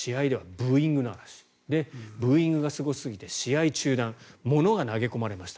ブーイングがすごすぎて試合中断物が投げ込まれました。